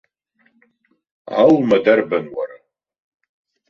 Алма дарбан, уара?!